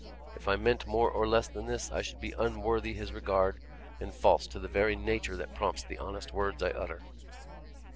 If I meant more or less than this, I should be unworthy his regard, and false to the very nature that prompts the honest words I utter.